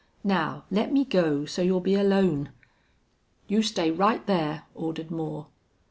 "Now let me go, so's you'll be alone." "You stay right there," ordered Moore.